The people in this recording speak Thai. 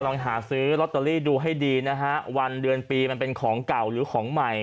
ลองหาซื้อลอตเตอรี่ดูให้ดีนะฮะวันเดือนปีมันเป็นของเก่าหรือของใหม่